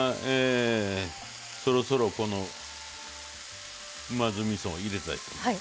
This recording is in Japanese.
そろそろこのうま酢みそを入れたいと思います。